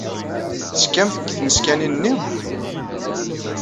Tettekkamt deg tmeskanin-nni?